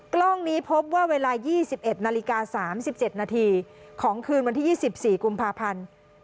กล้องนี้พบว่าเวลา๒๑นาฬิกา๓๗นาทีของคืนวันที่๒๔กุมภาพันธ์